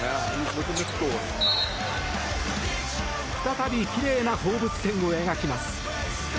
再びきれいな放物線を描きます。